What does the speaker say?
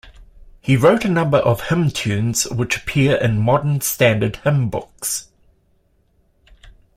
He wrote a number of hymn tunes which appear in modern standard hymn books.